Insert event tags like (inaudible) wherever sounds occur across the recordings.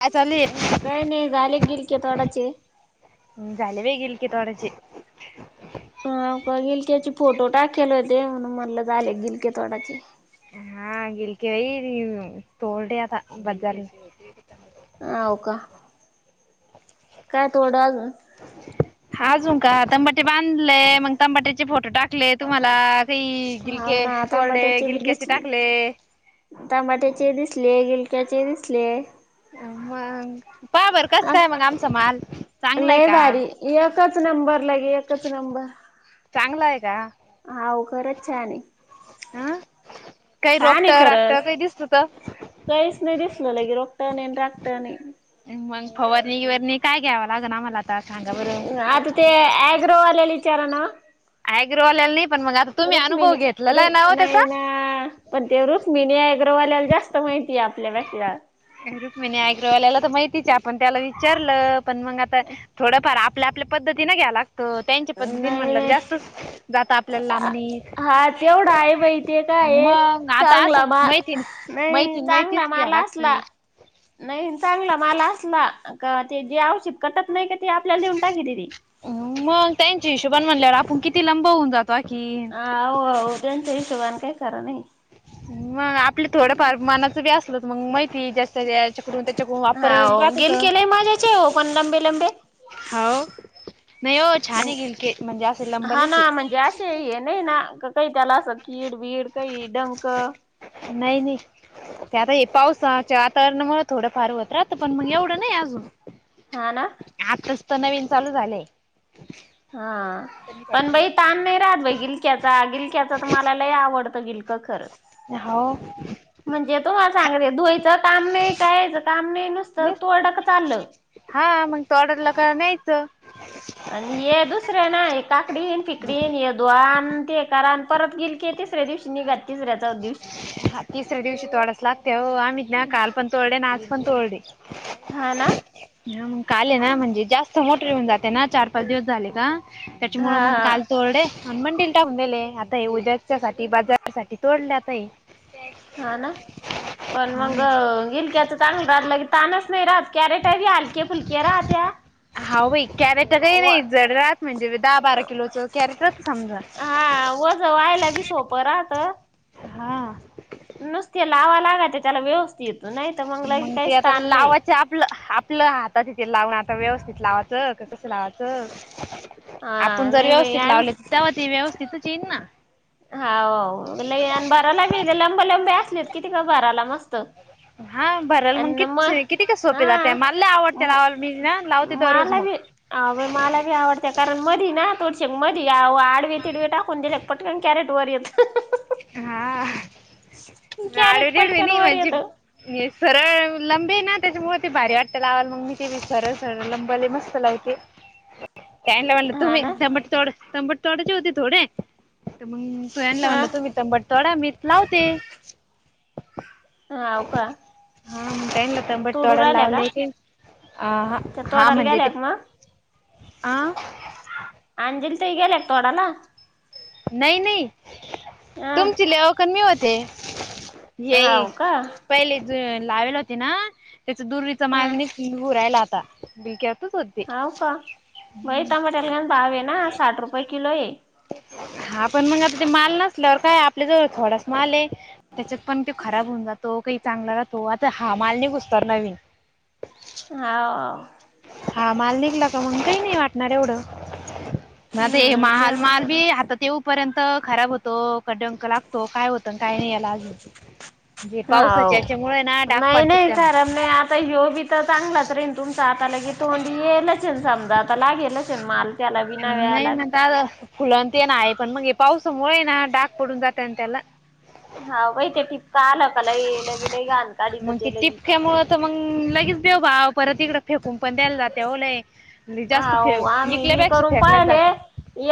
काय चालू काही नाही झाले किरक्या तोडाचे. (unintelligible) हा का गिलक्याची फोटो टाकल होते, म्हणून म्हटलं झाले गिलके थोडाचे. हा गिलक वई तोरडे, आता बजार. हाव का. काय थोडा. हा आजुन का, तंबाटी बांधलेय मग तंबाट्याचे फोटो टाक. टाकले तुम्हाला, का हाव गिलके ना चोरडे टमाट्याचे बी गिलक्याचे दिसले. टाकले. टमाट्याचे दिसले, गिलक्याचे दिसले. मग, पा बर कस हा काय मग आमचा माल. चांगला आहे लय का? भारी, एकच नंबर लगे, एकच नंबर. चांगल आहे का. आहों खरच छान ये. अं काही छान रोगट ये रागट खरंच. काही दिसत तर काहीच नाही दिसलं, लगे रोकट नाहीं आणि राकट नाहीं. मग फवारणी-गिवरणी काय घ्यावं लागन आम्हाला आता सांगा बरं? आता ते ऍग्रो वाल्याला विचारा ना. ऍग्रो वालेला नाही, पण मग आता तुम्ही अनुभव रुक्मिणी घेतलेला रु ओ ना त्याचा. नाही ना पण ते रुक्मिणी ऍग्रोवाल्याला जास्त माहितीये आपल्यापेक्षा. रुक्मिणी ऍग्रोवाल्याला तर माहितीच ये, आपण त्याला विचारलं पण मग आता थोडंफार आ आपल्या-आपल्या पद्धतीने घ्या लागत, त्यांच्या पद्धतीने नाही म्हणलं की नाही जास्तच जात आप आपल्या लांबणीत, हा तेवढा आहे बाई ते हा काय मंग आता असं चांगला माल म्ह नाही चांगला (unintelligible) घ्या माल लागती असला नाही चांगलं माल असला का, ते जे औषिद कटत नाही, का ते आपल्याला देऊन टाकीती ती. मग त्यांच्या हिशोबान म्हणल्यावर आपण किती लंब होऊन जातो. (unintelligible) आहो त्यांच हिशोबाने काही खरं नाही मग आपले थोडंफार मनाचं बी असलच, मग माहिती जास् ह्याच्याकडू-त्याच्याकडून हाव वापरलेलं गेल केलंय माझ्याचे हो पण लंबे लंबे (inaudible) हाव, नाही ओ छान म्हण ये गिलके, म्हणजे असे हा लंबलेचे. ना म्हणजे असे हे नाही ना, कसं ही त्याला अस, कीड-बीड काही डंक नाही-नाही. ते आता हे पावसाच्या वातावरणामुळ, थोडं फार होत राहात पण मग एवढं नाही अजून. हा ना. आताच तर नवीन चालू झालंय. हा, पण बाई ताण नाही राहात बघ त्याचा गिलक्याचा तर, मला लई आवडतं गिलक खरं. हो. म्हणजे तुम्हाला सांग रे धुयचं काम नाही, खायचं काम नाही नुसतं (unintelligible) चाललं हा मग (unintelligible) का न्यायच. आणि ये दुसरे नाही काकडीन-फिकडी, ये धुवा आन ते करा आणि परत गिल ते तिसऱ्या दिवशी, निघाल तिसऱ्या, चवथ्या दिवशी. हा तिसऱ्या दिवशी तोडावच लागते हो, आम्हीत ना काल पण तोडले ना आज पण तोडले. हा, ना. ह मग काल ये ना, म्हणजे जास्त मोठे येऊन जाते ना चार, पाच दिवस झाले का? त्याच्यामुळ मग हा काल तोरडे अनमंडल टाकून देले आता हे उद्या त्याच्या साठी, बाजारासाठी तोडल्यात हे हा ना? पण हा मग गिलक्यात च (unintelligible) की तानच नाही राहत. कॅरेटा बी हलक्या फुलक्या राहत्या. हाव बाई कॅरेट काही व नाही जडरात म्हणजे दहा, बारा किलोच कॅरेटच समजा हा वज व्हायला बी सोपं राहत. हा. नुसते लावां लागत्या त्याला व्यवस्थित नाही तर लगे मग ते काहीच आता ताण नाही. लावायचं आपलं-आपलं हात आता तिथे लावण आता व्यवस्थित लावाचं का कसं लावाचं? हा आपण जर नाही बाई व्यवस्थित आम लावल तेव्हा ते व्यवस्थितच येईन ना. हाव लई आण (unintelligible) मस्त हा भरल मग अन म कितीचे किती काय सोपे जाते हा मला लय आवडते लावाला मी ना लावते दररोज मला मग. बी अ बाई मला बी आवडतेय कारण, मधी ना थोडीशी मधी आडवे तिडवे टाकून दिले पाट पण कॅरेट वर येत हा, कॅरेट पटकन वर (unintelligible) येत. सरळ लंबे ना त्याच्यामुळे ते भारी वाटते लावाल, मग मी ते सरळ सरळ लंबे लय मस्त लावते. (inaudible) त्यांना म्हणलं हा तुम्ही ना तंबट तोड, तंबट तोडाची होती थोडे तर मग तू ह्यांना हा म्हणलं, तूम्ही तंबट तोडा मी लावते. हाव का हा मग काय ह्यांना तंबट तोडू तोडाय लावले की. आ हा ते तोडायला गेलेत म? आ? अंजिली ताई गेले का तोडाला? नाही नाही, अं तुमची लेओक अन मी होते. येई, हाव का पहिले ज लावेल होती ना, त्याचा दुरीचा माल हं नि घु राहीला आता, बिक्यातच होतं हाव का? बाई तम्याटाला काय भाव येना, साठ रुपये किलो ये. हा पण मग आता ते माल नसल्यावर काय, आपल्या जवळ थोडाच माल ये. त्याच्यात पण तो खराब होऊन जातो, काही चांगला राहातो, आता हा माल निघुसतर नवीन. हाव. हा माल निघला का मग काही नाही वाटणार एवढं. मग आता हे हम्म माल जमत माल बी ना हातात येऊ पर्यंत खराब होतो, का डंक लागतो, काय होतं काय नाही याला. जे पावसाच्या हाव याच्यामुळे ना डाग पाडतात त्यान योबी तर चांगलाच रेन तुमच आता लगी तोंडी येयलाच झालं, आता लागेलच आता माल त्यालाबी नाही नव्यालाबी फुलं तेन आहे पण मग, पावसामुळे आहे ना डाग पडून जाते ना त्यांना हा बाई ते टिपका आला की लय लगी लय घान करत मग ते ती लगी टिपक्यामुळं तर मग लगेच देऊ भाव परत इकडं फेकून पण द्यायला तेवले जास्त फे आहो निकल्यापेक्षा फेकल्यान जात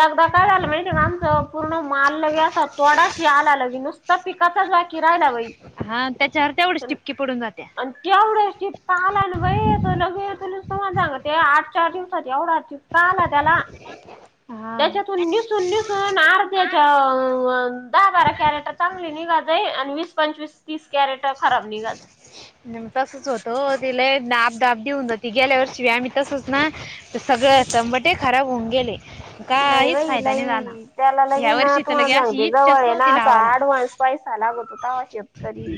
एगदा काय झालं माहितीे येका आमचं पूर्ण माल लगी असं तोडाशी आला लगी नुसतं पिकाचा (unintelligible) राहिला बाई हा त्याच्यावर तेवढीच टिपकी पडून जात्या केवढे शिक तर आला ना बाई लगी येतोय, लगी येतोय. तुम्हाला सांगते आठ चार दिवसात एवढा टीपका आला त्याला, हा त्याच्यातून निस निखळुन निखळुन अर्ध्याच्या दहा बारा कॅरेट चांगली निघातय आणि वीस पंचवीस तीस कॅरेट खराब निघत तसंच होतं तिल दाब दाब देऊन जाती, गेल्यावर्षी आम्ही तसंच ना सगळं तंबाटे खराब होऊन गेले. नाही काहीच बाई फायदा नाही झाला लई, त्याला लगी या ना वर्षी तर तुम्हाला लगे अशी सांगते इच्छाच जवळ ये ना नव्हती असा लावाला आडवान्स पैसा लागतो तेव्हा शेतकरी,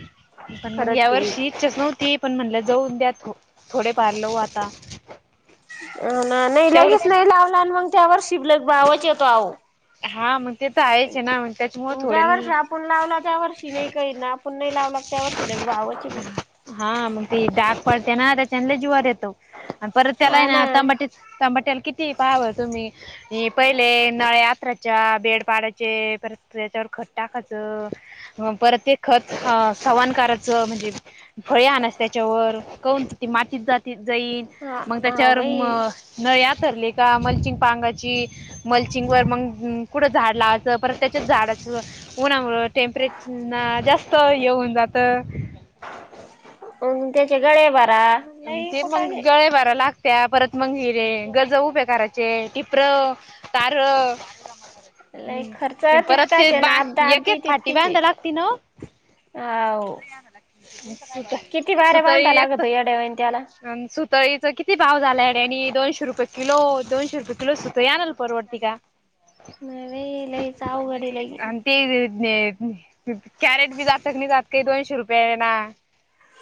पण मग खरंच या ये. वर्षी इच्छाच नव्हती पण म्हणलं जाऊन द्या थो, थोडे फार लवू आता. अ ना नाही लगेच तेवढंच नाही लावला, आणि मंग त्यावर्षी लय बावच येतो आहो हा मग ते तर आहेच आहे ना मग त्याचे ज्या वर्षी आपुण लावला त्या वर्षी नाही काही, आपुण नाही लावला त्या वर्षी लय भावच येतो. हा मग ते डाग पडते ना त्याच्यानी लय जीवावर येतो, आणि परत त्याला आहे ना तंबाटीच तंबाट्याला किती पाहाव तुम्ही, ते पहिले नळ्या खच्या बेड पाडायचे परत त्येच्यावर खत टाकायचं. अ परत ते खत सवान करायचं म्हणजे फळे आणायचे त्याच्यावर कोन ती मातीत जाती जाईन, हा मग हा त्याच्यावर म बाई नळ्या करली का मलचिंग पांगाची, मलचिंगवर मंग कुठं झाड लावायचं परत त्याच्याच झाडाचं उन्हामुळं टेम्परे ना जास्त हे होऊन जात. आणि त्याचे गळे भरा लई ते मंग कुटाणे. गळे भरा लाक त्या परत मंग हिरे, गज उभे करायचे टिप्र, तार लई खर्च परत ते तितकाच आहे बा ना आपदा एक एक आपदी फाटी तितकीच आहे. बांधा लागते नव हाव (unintelligible) किती बाऱ्या सूता बांधा येत लागतो येड्यावानी त्याला. सुतळीच किती भाव झालाय अ आणि दोनशे रुपये किलो, दोनशे रुपये किलो सुतळी आणल परवडती का? नाही बाई लईच अवघड हे लई आणि ते कॅरेट बी जातक नाही, जात काही दोनशे रुपये ना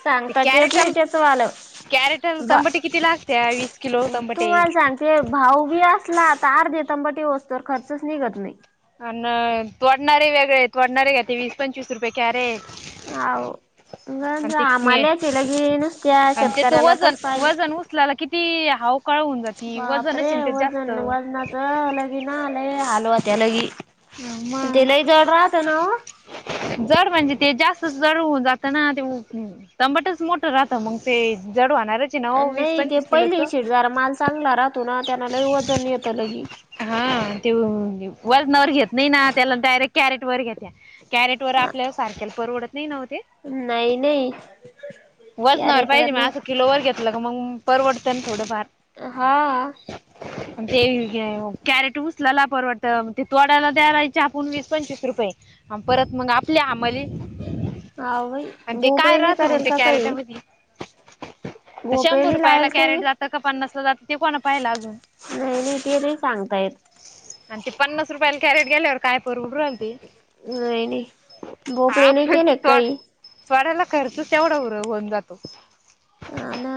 सांगताच येत नाही, तेच व आल्यावर कॅरेट तंबटे कितीला असतीया, वीस किलो तंबटे? ते भाऊ बी असला तर अर्ध तंबाटी वस्तूवर खर्चच निघत नाही. अन तोडणारे वेगळे, तोडणारे घ्याते वीस -पंचवीस रुपये कॅरेट. आव (unintelligible) आणि ते बापरे आणि त्याचं वजन वजन उचलायला किती हावकाळ होऊन जाती वजनच ते जास्त वजन वजनाचं लगी ना आलंय, हलवा त्या लगी. आ म ते लय जड राहत ना ओ. जड म्हणजे ते जास्त जड होऊन जात ना ते तमाटच मोठं राहत मग, ते जड व्हणारेच नवं वीस नाही ते पंचवीस पहिली किलोच. शीट जरा माल चांगला राहतो ना, त्यांन लई वजन येतं लगी. हा, ते वजनावर घेत नाही ना त्याला डायरेक्ट कॅरेट वर घेत्या कॅरेट वर हा आपल्याला सारखेला परवडत नाही नव्ह ते नाही नई वजनावर पाहिजे म असं किलोवर घेतलं ग मंग परवडतं थोडं फार हां ते कॅरेट उचलाला परवडतं ते तोडाला द्यायला आपुण वीस पंचवीस रुपय ह परत मग आपल्या हामली (inaudible) अही भोपळे नाही करेल का काही. ह (unintelligible) (inaudible) (unintelligible) (inaudible) तर शंभर (inaudible) नाही रपयाला लावेल कॅरेट काही? जातं का? पन्नास ला जातं ते कोणा पाहियला अजून. नाही नाही ते (inaudible) ते सांगतायेत. आणि ते पन्नास रुपयाला कॅरेट गेल्यावर काय पोर (inaudible) उ नाही नाही (unintelligible) (inaudible) भोपळे आ नाही ड केले काही तोड्याला खर्च तेवढा होऊन जातो. ह ना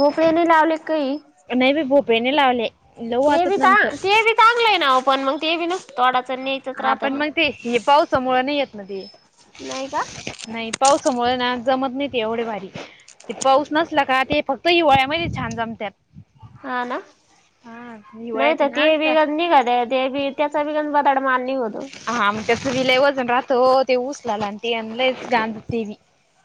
भोपळने लावले काही. नाही मी भोपेने लावले लऊ आहतात नंतर. चांगलंय ना पण मग ते (inaudible) नाच थडाच हा पण मग ते हे पाऊस (inaudible) समोळ नाही येत ना ते. नाहीय का. नाही. पावसामुळे ना जमत नाही एवढे भारी. ते पाऊस नसला का ते फक्त हिवाळ्यामध्येहि छान जमतात. हा ना हा नाही हिवाळ्यात तर ते ना त्या बघ निघात. ते बी त्याचा बी गण बड (inaudible) मान होतो. हा (inaudible) मग त्यास विलाय वजन राहतो ते उचलाला आणिटी (inaudible) ल जाती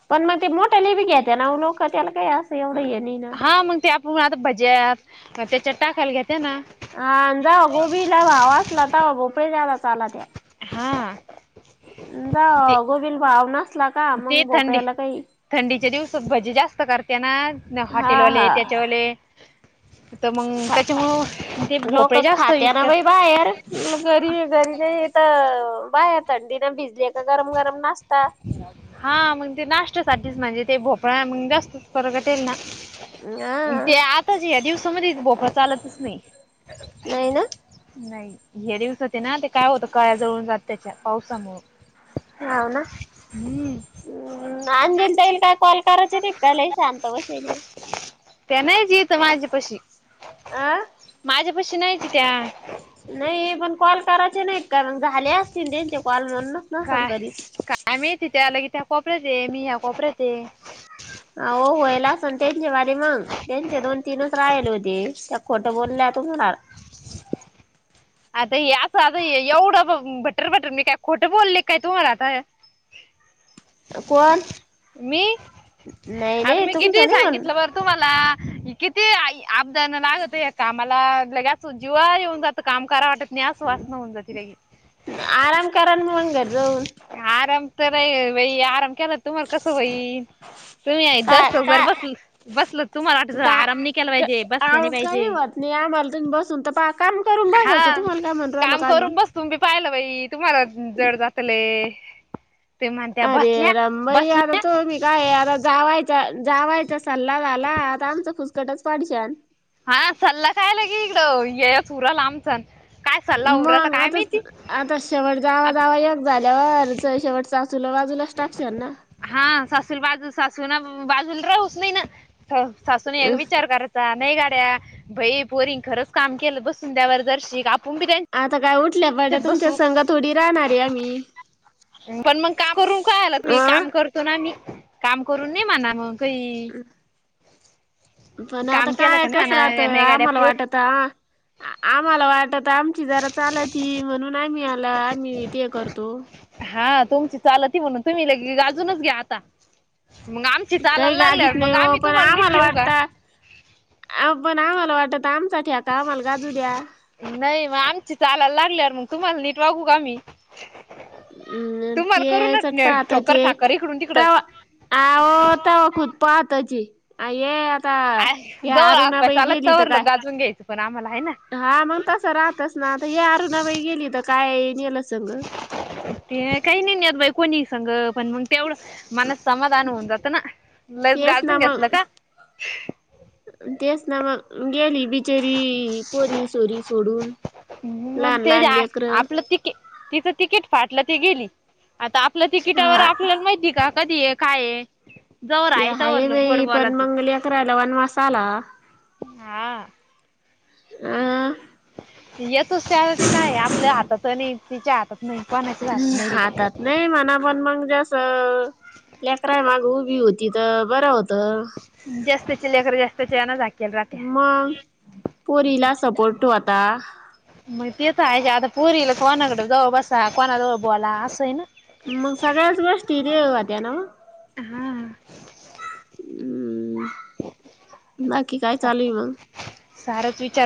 पण मग ते मोठ्या लिप घ्या त्या ना लोक त्याला काही असं एवढं ये नाही. हा मग ते (inaudible) आप आता भज्यात त्याच्या टाकायला घेते ना. हा जाव गोबीला (inaudible) भाव वाचला त (inaudible) भोपळेला चाला त्या हा. जा ते (inaudible) गोविल भाव नसला का मग ते थंडी भोपयाला काही. थंडीच्या दिवसात भजी जास्त करते ना हा हॉटेलवाले हा त्याच्यावाले. तर मग त्याच्यामुळं तेे भोपळे जास्त (inaudible) इत गरी घरी नाही तर बाहे थंडी ना भिजली का गरम गरम नास्ता. हा मग ते नाश्त्यासाठीच म्हणजे, ते भोपळा मग जास्तच फरकटेल ना. हा ते आताच या दिवसामध्ये (inaudible) भोपर चालतच नाही. नाही ना नाही, हे दिवसात ना ते काय होतं काळ्या जळून जात त्याच्या (inaudible) पावसामु (inaudible) होव ना. (inaudible) हम आणंजेल ते येईल काय कॉल करायच ते काला शांत (inaudible) वशने त्यां नाहीच येत माझ्या पशी. आं. माझ्या पशी नाहीती त्या नाही पण कॉल करायचे नाहीत का मग झाले असतील त्यांचे कॉल म्हणूनच नस करीत. आम्ही तिथे आल कि त्या कोपऱ्याच आहे. मी ह्या कोपऱ्याच आहे. (inaudible) अ होयला असणते (inaudible) शेवारी मग त्यांचे दोन तीनच राहिले होते. त्या खोटं बोलल्या (inaudible) तुमला. आता हे असं आता एवढं भटर, भटर मी काय खोटं बोलले काय तुम्हाला आता. कोण मी नाही आता नाही (inaudible) मी तु तुमच (inaudible) किती नाही पण सांगितलं बरं तुम्हाला किती आपदाण लागत कामाला ल जीवा येऊन जात. काम करा वाटत नाही (inaudible) श्वास न होऊन जाते त्या. आराम करा ना मग घरी जाऊन आराम तर आहे बाई आराम केला तुम्हाला कसं (inaudible) बाई तुम्ही (inaudible) आ काय दर्शो (inaudible) घर काय बसल बसलं तुम्हाला वाट का आराम न केला पाहिजे बसल आव नाय काही पाहिजे. होत नाही आम्हाला तुम्ही बसून तर पहा काम करून बसायचं हा तुम्हाला काय म्हनू राहिलो काम का आम्ही. करून बस तुम्ही पाहिलं बाई तुम्हाला जड जातले. ते म्हणत्या बसल्या बसल्या तो मी काय आता जावायचा जावायचा सल्ला झाला आता आमचा फुसकटच पडश हा सल्ला कायला की इकडं येच उराला आमचण काय सल्ला उराला मग काय आता मिहिती आता शेवट जावा जावा एक झाल्यावरच शेवट सासूला बाजूलाच टाकश ना हा सासू बाजू सासू ना बाजूला राहूच नाही ना सासून न एक विचार करत. नाही गाड्या भई पोरींग खरंच काम केलं बसून त्यावर जर्शिक आपून बी त्यां आता काय उठल्या पण त्यात तुमच्या बसू संघात थोडी राहणार आहे आम्ही पण मग का करून काय आला तुम्ही अ काम करतो ना मी काम करून नाही म्हणा मग काई पण आता काय कस राहत नाही गाड्या आम्हाला वाटत पोच आम्हाला वाटत आम जरा चाल ती म्हणून आ मी आला आम्ही ते करतो. हा तुमची चाल त म्हणून तुम्ही ले गाजूनच घ्या आता मग आम काही गाजीत नाही हो पण आम्हाला का वाटता अ पण आम्हाला वाटत आमचा आमच्यासाठी आम्हाला गाजू द्या. नाही मग आमची चालायला लागल्यावर मग तुम्हाला नीट वागू का आम्ही अम् तुम्हाला ते करूनच चट न पाहतो ठोकर ते ठाकर इकडून तिकडं तवा आहो तवा खुतपाहताची ये आ जवळ लात चवरलो काय गाजवून घ्यायचं पण आम्हाला आहे ना हा मग तसं राहतस ना आता हे अरुणाबाई गेली तर काय गेलंच सगळं ते काही नाहीत बाई कोणी संग पण मग तेवढं मनात समाधान होऊन जात ना लयच तेच ना गाजून मग घेतलं का तेच ना मग गेली बिचारी पोरी सोरी सोडून मग लहान ते लहान लेकरं आपलं तिकेट तिचं तिकीट फाटलं ती गेली. आता आपल्या तिकीटावर हा आपल्याला माहिती आहे का कधी आहे काय आहे. जवर ते आहे हाय तवरल गोड बाई पण बोलायचं मंगली लेकराला वनवासा आला हा. आ. येतच त्या ते काय आपल्या हातात नाही. तिच्या हातात नाही. कोणाच्या हातात नाही. हातात नाही म्हणा पण मग जास्त लेकरा माग उभी होती तर बरं होतं. जास्त चे लेकर जास्तची मग. पोरीला सपोर्ट होता. मग ते तर आहे आता पुरीला कोणाकडे जाव बसा कोणा जवळ बोला असं आहे ना. मग सगळ्याच गोष्टी होत्या नव्ह. हा ह्म. बाकी काय चालू मग? साराच विचार